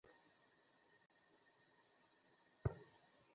বিশেষ এদের বাপ-দাদা কাল না পরশু বর্বর ছিল, তা থেকে অল্পদিনে এই কাণ্ড।